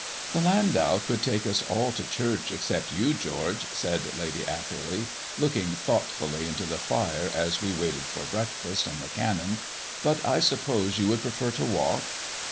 "The landau could take us all to church except you, George," said Lady Atherley, looking thoughtfully into the fire as we waited for breakfast and the Canon. "But I suppose you would prefer to walk?"